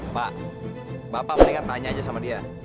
pak bapak mereka tanya aja sama dia